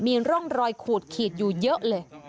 มีร่องรอยขูดขีดอยู่เยอะเลย